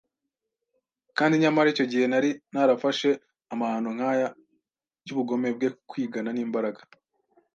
kandi nyamara icyo gihe nari narafashe amahano nkaya y'ubugome bwe, kwigana, n'imbaraga